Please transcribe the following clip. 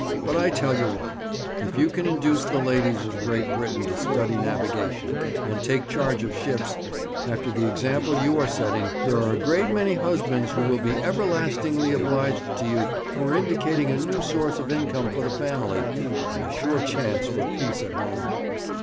'But I tell you what: if you can induce the ladies of Great Britain to study navigation, and take charge of ships, after the example you are setting, there are a great many husbands who will be everlastingly obliged to you for indicating a new source of income for the family, and a sure chance for peace at home.'